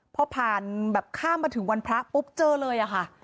พอผ่านแบบข้ามมาถึงวันพระปุ๊บเจอเลยอะค่ะ